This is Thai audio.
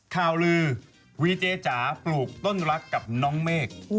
ข่าวลือวีเจจ๋าปลูกต้นรักกับน้องเมฆ